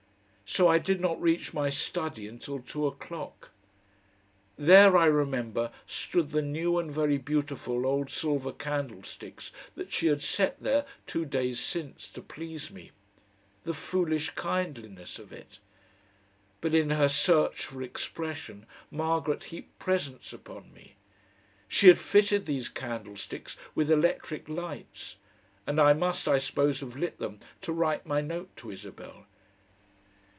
So I did not reach my study until two o'clock. There, I remember, stood the new and very beautiful old silver candlesticks that she had set there two days since to please me the foolish kindliness of it! But in her search for expression, Margaret heaped presents upon me. She had fitted these candlesticks with electric lights, and I must, I suppose, have lit them to write my note to Isabel.